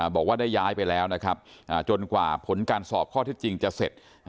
บอกว่าได้ย้ายไปแล้วนะครับจนกว่าผลการสอบข้อเท็จจริงจะเสร็จ